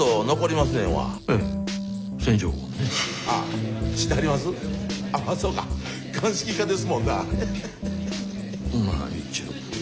まぁ一応。